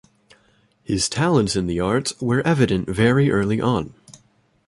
His talents in the arts were evident very early on.